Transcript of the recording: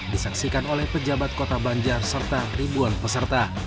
disaksikan oleh pejabat kota banjar serta ribuan peserta